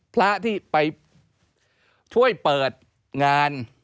พระที่ไปช่วยเปิดงาน